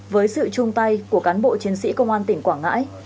với sự chung tay của cán bộ chiến sĩ công an tỉnh quảng ngãi